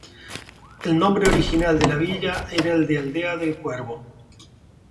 El nombre original de la villa era el de Aldea del Cuervo.